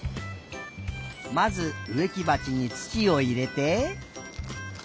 まずうえきばちにつちをいれて。